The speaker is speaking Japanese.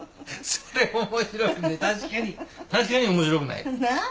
確かに面白くない。なあ？